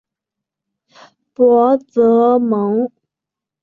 博泽蒙。